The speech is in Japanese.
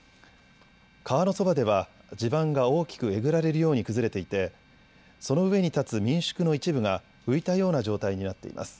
川のそばでは、地盤が大きくえぐられるように崩れていて、その上に建つ民宿の一部が、浮いたような状態になっています。